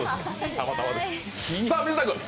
たまたまです。